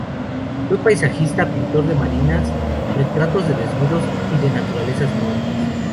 Fue paisajista, pintor de marinas, retratos de desnudos y de naturalezas muertas.